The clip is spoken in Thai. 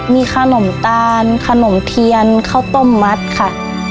มีขนมตาลขนมเทียนข้าวต้มมัดค่ะ